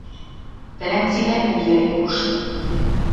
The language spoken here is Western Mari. Тӹнӓм цилӓ мӹнь йӹрем куштен